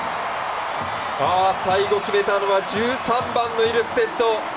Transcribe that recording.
最後、決めたのは１３番のイルステッド。